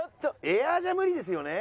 エアーじゃ無理ですよね？